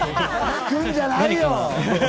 聞くんじゃないよ。